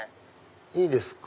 いいですか？